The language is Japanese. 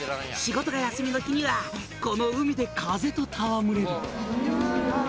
「仕事が休みの日にはこの海で風と戯れる」